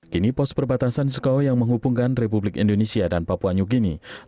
kini pos perbatasan skau yang menghubungkan republik indonesia dan papua new guinea